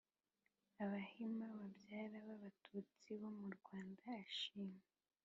abahima babyara b'abatutsi bo mu rwanda ashima